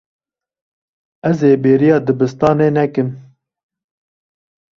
Ez ê bêriya dibistanê nekim.